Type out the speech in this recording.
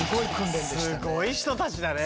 すごい人たちだね。